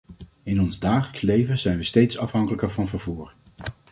In ons dagelijks leven zijn we steeds afhankelijker van vervoer.